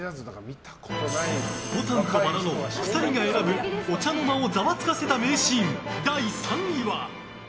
「牡丹と薔薇」の２人が選ぶお茶の間をザワつかせた名シーン第３位は。